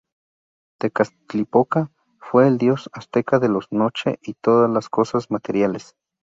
Tezcatlipoca fue el dios azteca de la noche y todas las cosas materiales.